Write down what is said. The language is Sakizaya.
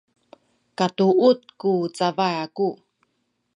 katuud ku cabay aku